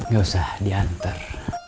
gak usah diantar